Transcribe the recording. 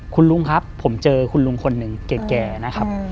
คุณลุงครับผมเจอคุณลุงคนหนึ่งแก่นะครับ